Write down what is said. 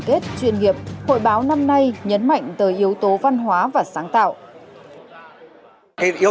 kết chuyên nghiệp hội báo năm nay nhấn mạnh tới yếu tố văn hóa và sáng tạo yếu